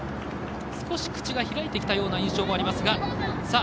少し口が開いてきた印象もあります。